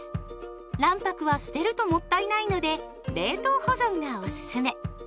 卵白は捨てるともったいないので冷凍保存がおすすめ。